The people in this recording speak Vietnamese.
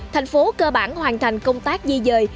thành phố cơ bản hoàn thành công tác di dời